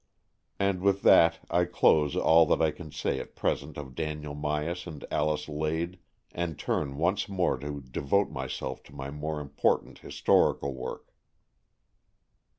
And with that I close all that I can say at present of Daniel Myas and Alice Lade, and turn once more to devote myself to my more important historical work.